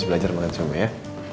abis belajar makan siomel ya